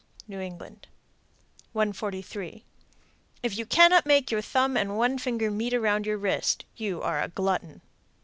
New England. 143. If you cannot make your thumb and one finger meet around your wrist, you are a glutton.